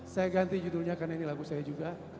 saya ganti judulnya karena ini lagu saya juga